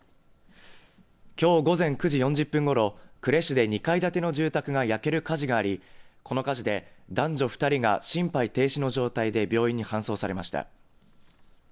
きょう午前９時４０分ごろ、呉市で２階建ての住宅が焼ける火事があり、この火事で男女２人が心肺停止の状態で病院に搬送されました。